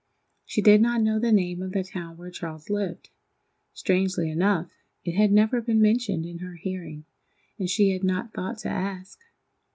She did not know the name of the town where Charles lived. Strangely enough, it had never been mentioned in her hearing, and she had not thought to ask.